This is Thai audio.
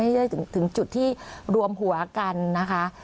จะได้ถึงจุดที่รวมหัวกันนะคะ